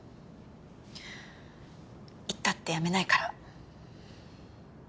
言ったってやめないから。